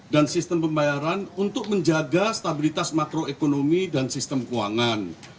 dan sistem pembayaran untuk menjaga stabilitas makroekonomi dan sistem keuangan